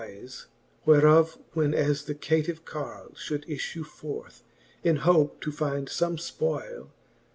With noyfe whereof when as the caytive carle Should iflue forth, in hope to find fbme fpoyle.